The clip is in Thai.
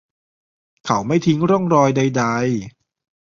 เขาไม่ทิ้งร่องรอยใด ๆ